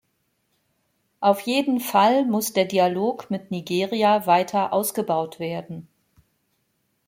Auf jeden Fall muss der Dialog mit Nigeria weiter ausgebaut werden.